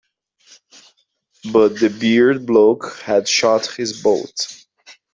But the bearded bloke had shot his bolt.